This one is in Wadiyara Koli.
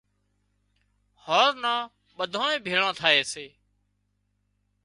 هانز نان ٻڌانئين ڀيۯان ٿائي سي